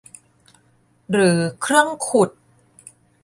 หรือเครื่องขุด